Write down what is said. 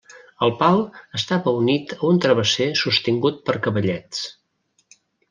El pal estava unit a un travesser sostingut per cavallets.